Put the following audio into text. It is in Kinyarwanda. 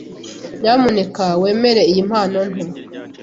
Nyamuneka wemere iyi mpano nto.